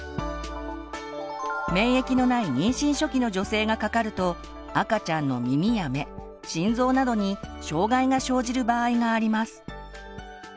免疫のない妊娠初期の女性がかかると赤ちゃんの耳や目心臓などに障害が生じる場合があります。